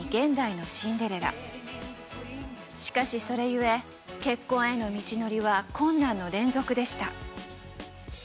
しかしそれゆえ結婚への道のりは困難の連続でした。